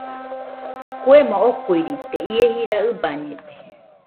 Kuemo okuiride, ie jira ɨbañede.